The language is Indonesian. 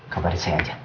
kabarin saya aja